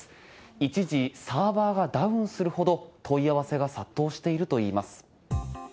一時、サーバーがダウンするほど問い合わせが殺到しているといいます。